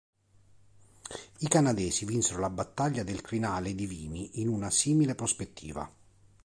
I canadesi vinsero la battaglia del crinale di Vimy in una simile prospettiva.